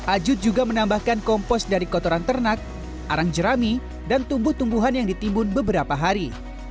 ajut juga menambahkan kompos dari kotoran ternak arang jerami dan tumbuh tumbuhan yang ditimbun beberapa hari